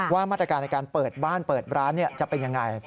ว่ามาตรการในการเปิดบ้านเปิดร้านจะเป็นอย่างไร